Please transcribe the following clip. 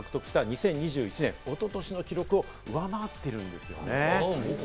２０２１年、おととしの記録を上回ってるんですね。